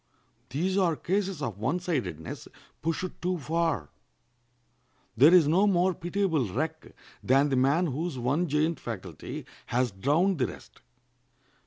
These are cases of one sidedness pushed too far. There is no more pitiable wreck than the man whose one giant faculty has drowned the rest.